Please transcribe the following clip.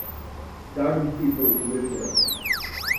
Dargin people live there.